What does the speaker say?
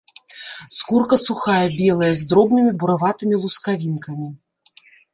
Скурка сухая, белая, з дробнымі бураватымі лускавінкамі.